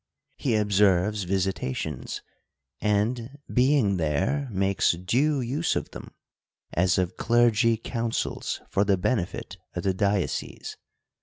He observes visitations ; and, being there, makes due use of them, as of clergy coun cils for the benefit of the diocese.